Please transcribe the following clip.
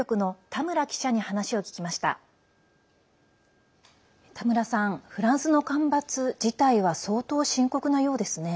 田村さん、フランスの干ばつ事態は相当深刻なようですね。